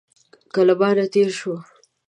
له مانه تېره شوه.